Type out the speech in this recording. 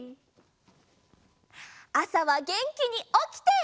あさはげんきにおきて。